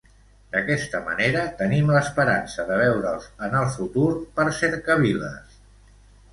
D'aquesta manera, tenim l'esperança de veure'ls en el futur per cercaviles!